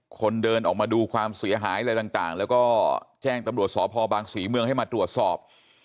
คนเดินออกมาดูความเสียหายอะไรต่างแล้วก็แจ้งตำรวจสพบางศรีเมืองให้มาตรวจสอบ